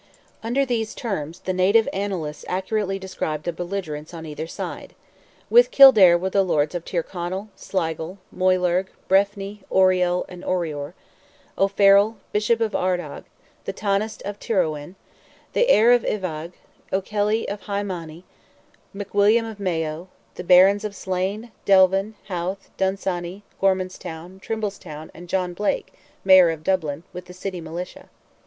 Under these terms, the native Annalists accurately describe the belligerents on either side. With Kildare were the Lords of Tyrconnell, Sligo, Moylurg, Breffni, Oriel, and Orior; O'Farrell, Bishop of Ardagh, the Tanist of Tyrowen, the heir of Iveagh, O'Kelly of Hy Many, McWilliam of Mayo, the Barons of Slane, Delvin, Howth, Dunsany, Gormanstown, Trimblestown, and John Blake, Mayor of Dublin, with the city militia.